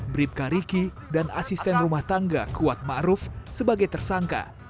bribka riki dan asisten rumah tangga kuat ma'ruf sebagai tersangka